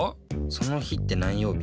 その日って何曜日？